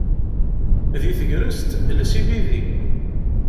Di tegrest, els ibidi.